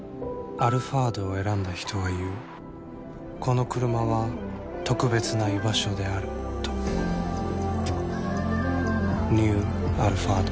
「アルファード」を選んだ人は言うこのクルマは特別な居場所であるとニュー「アルファード」